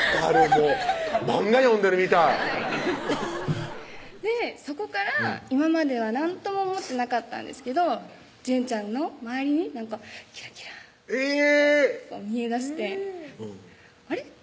もうマンガ読んでるみたいそこから今までは何とも思ってなかったんですけど淳ちゃんの周りになんかキラキラッて見えだしてあれっ